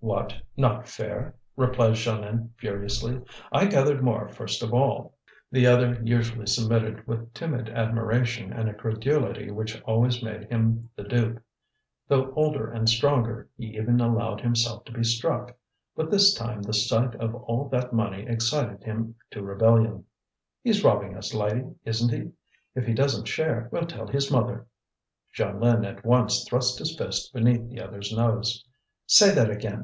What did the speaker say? "What? not fair!" replied Jeanlin furiously. "I gathered more first of all." The other usually submitted with timid admiration and a credulity which always made him the dupe. Though older and stronger, he even allowed himself to be struck. But this time the sight of all that money excited him to rebellion. "He's robbing us, Lydie, isn't he? If he doesn't share, we'll tell his mother." Jeanlin at once thrust his fist beneath the other's nose. "Say that again!